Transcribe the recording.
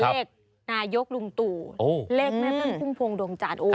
เลขนายกรุงตู่เลขแม่ผึ้งพุงพงดวงจาดอู